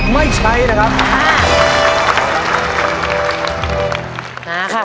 ไม่ใช้นะครับ